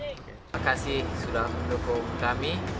terima kasih sudah mendukung kami